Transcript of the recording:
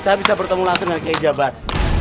saya bisa bertemu langsung dengan kiai jabat